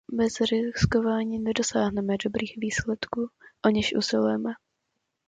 Bez riskování nedosáhneme dobrých výsledků, o něž usilujeme.